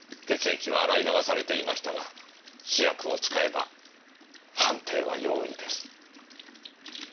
血液は洗い流されていましたが試薬を使えば判定は容易です。